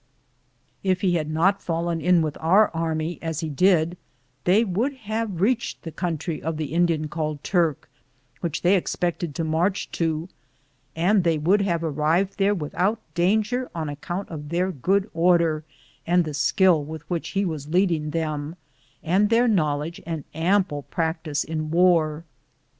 If he had not fallen in with our army as he did, they would have reached the country of the In 188 am Google THE JOURNEY OP CORONADO dian called Turk, which they expected to march to, and they would have arrived there without danger on account of their good order and the skill with which he was lead ing them, and their knowledge and ample practice in war.